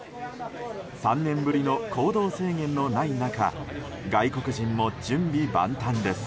３年ぶりの行動制限のない中外国人も準備万端です。